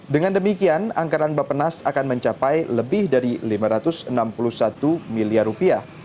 dengan demikian anggaran bapenas akan mencapai lebih dari lima ratus enam puluh satu miliar rupiah